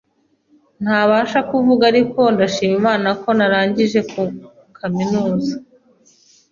ntabasha kuvuga ariko ndashima Imana ko narangije kaminuza